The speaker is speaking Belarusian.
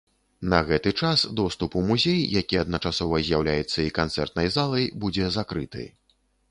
На гэты час доступ у музей, які адначасова з'яўляецца і канцэртнай залай, будзе закрыты.